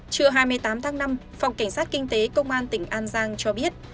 trưa hai mươi tám tháng năm phòng cảnh sát kinh tế công an tỉnh an giang cho biết